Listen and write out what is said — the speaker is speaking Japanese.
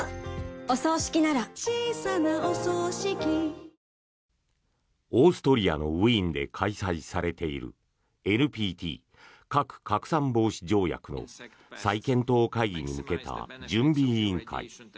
汚染水という言葉を繰り返しオーストリアのウィーンで開催されているＮＰＴ・核拡散防止条約の再検討会議に向けた準備委員会。